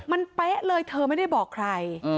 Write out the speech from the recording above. มันเป๊ะเลยเธอไม่ได้บอกใคร